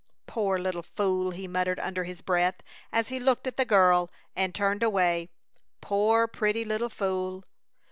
"Poor little fool!" he muttered under his breath as he looked at the girl and turned away. "Poor, pretty little fool!"